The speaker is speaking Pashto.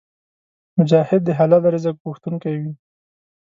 مجاهد د حلال رزق غوښتونکی وي.